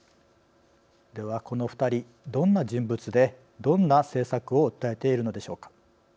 ではこの２人どんな人物でどんな政策を訴えているのでしょうか。